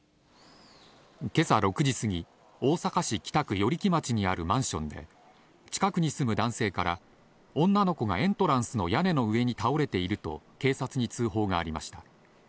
けさ６時過ぎ、大阪市北区与力町にあるマンションで、近くに住む男性から、女の子がエントランスの屋根の上に倒れていると警察に通報がありました。